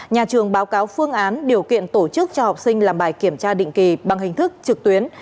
nhà trường báo cáo phương án điều kiện tổ chức cho học sinh làm bài kiểm tra định kỳ bằng hình thức trực tuyến